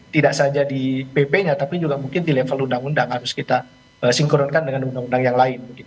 tidak saja di pp nya tapi juga mungkin di level undang undang harus kita sinkronkan dengan undang undang yang lain